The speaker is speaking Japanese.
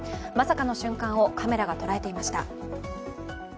まさかの瞬間をカメラが捉えていました。